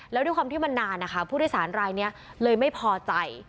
แล้วด้วยความที่มันนานนะคะผู้โดยสารรายนี้เลยไม่พอใจ